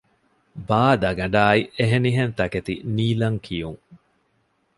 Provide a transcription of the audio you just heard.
ބާދަގަނޑާއި އެހެނިހެން ތަކެތި ނީލަން ކިޔުން